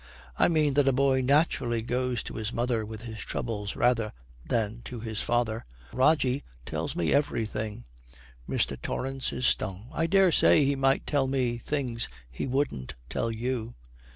'I mean that a boy naturally goes to his mother with his troubles rather than to his father. Rogie tells me everything.' Mr. Torrance is stung. 'I daresay he might tell me things he wouldn't tell you.'